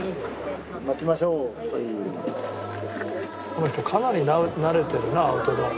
この人かなり慣れてるなアウトドア。